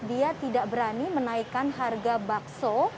dia tidak berani menaikkan harga bakso